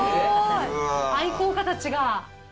愛好家たちが。